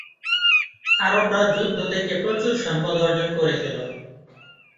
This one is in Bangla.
আরবরা যুদ্ধ থেকে প্রচুর সম্পদ অর্জন করেছিল।